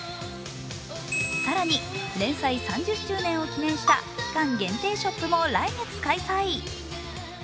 更に、連載３０周年を記念した期間限定ショップも来月開催。